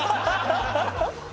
ハハハハ！